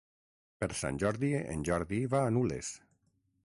Per Sant Jordi en Jordi va a Nules.